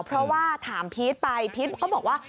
เพราะว่าถามพีชไปพีชก็บอกว่า